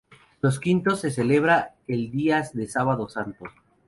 Los Quintos, se celebra el día de Sábado Santo.